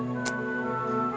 masa udah siap